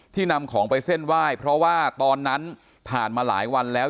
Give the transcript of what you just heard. นำของไปเส้นไหว้เพราะว่าตอนนั้นผ่านมาหลายวันแล้ว